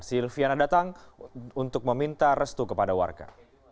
silviana datang untuk meminta restu kepada warga